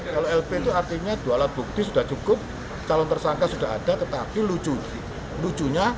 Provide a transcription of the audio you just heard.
kalau lp itu artinya dua alat bukti sudah cukup calon tersangka sudah ada tetapi lucunya